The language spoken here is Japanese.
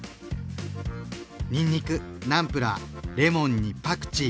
にんにくナムプラーレモンにパクチー。